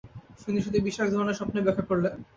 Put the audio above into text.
তিনি শুধু বিশেষ একধরনের স্বপ্নই ব্যাখ্যা করলেন।